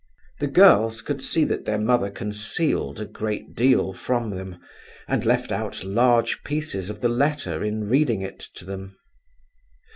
The girls could see that their mother concealed a great deal from them, and left out large pieces of the letter in reading it to them.